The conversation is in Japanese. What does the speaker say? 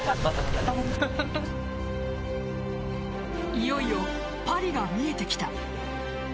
いよいよパリが見えてきた。